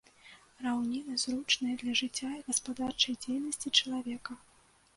Раўніны зручныя для жыцця і гаспадарчай дзейнасці чалавека.